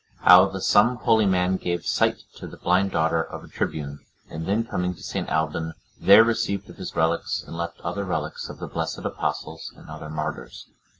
How the some holy man gave sight to the blind daughter of a tribune, and then coming to St. Alban, there received of his relics, and left other relics of the blessed Apostles and other martyrs.